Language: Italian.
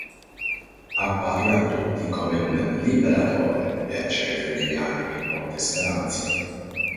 Apparve a tutti come un liberatore e accese negli animi molte speranze.